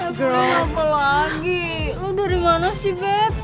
apa lagi lo dari mana sih beth